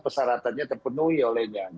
peseratannya terpenuhi olehnya